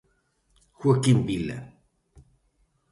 Joaquín Vila.